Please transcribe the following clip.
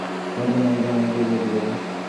লাগবেনা আমি জানালা দিয়ে বেরিয়ে যাবো।